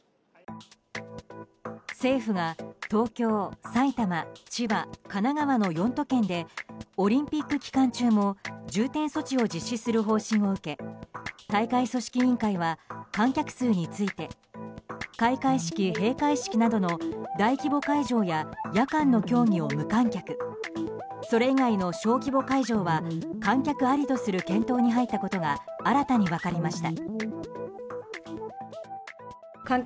政府が東京、埼玉、千葉神奈川の４都県でオリンピック期間中も重点措置を実施する方針を受け大会組織委員会は観客数について開会式・閉会式などの大規模会場や夜間の競技を無観客それ以外の小規模会場は観客ありとする検討に入ったことが新たに分かりました。